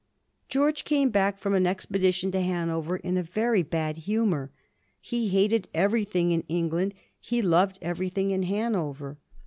George came back from an expedition to Hanover in a very bad humor. He hated everything in England; he loved everything in Hanover.